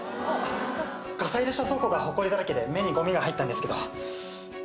ガサ入れした倉庫が埃だらけで目にゴミが入ったんですけど。